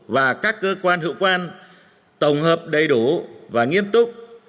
và các cơ quan hữu quan tổng hợp đầy đủ và nghiêm túc